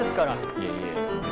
いえいえ。